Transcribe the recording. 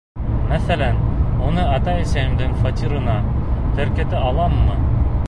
Мәҫәлән, уны атай-әсәйемдең фатирына теркәтә аламмы?